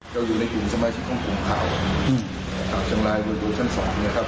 เราอยู่ในกลุ่มสมัยชีพของภูมิข่าวช่างลายบริโดยท่านศักดิ์เนี่ยครับ